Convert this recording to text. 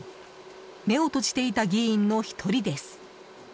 目を閉じていた議員の１人です。